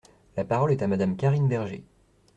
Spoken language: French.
La parole est à Madame Karine Berger.